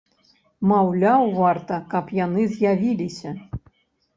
Маўляў, варта, каб яны з'явіліся.